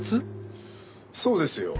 そうですよ。